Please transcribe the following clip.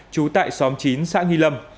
chú tại xóm chín xã nghi lâm